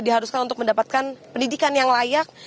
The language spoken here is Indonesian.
diharuskan untuk mendapatkan pendidikan yang layak